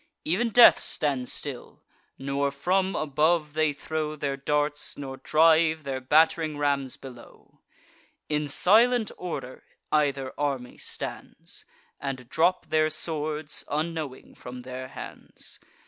Ev'n death stands still; nor from above they throw Their darts, nor drive their batt'ring rams below. In silent order either army stands, And drop their swords, unknowing, from their hands.